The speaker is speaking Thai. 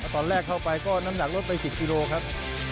ตอนแรกเข้าไปก็น้ำหนักลดไป๑๐กิโลครับ